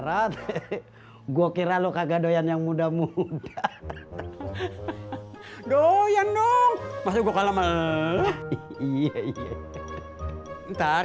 banget gue kira lu kagak doyan yang muda muda doyan dong masih gua kalah meleleh iya ntar